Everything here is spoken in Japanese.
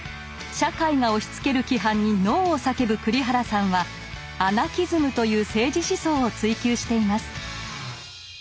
社会が押しつける規範にＮＯを叫ぶ栗原さんは「アナキズム」という政治思想を追求しています。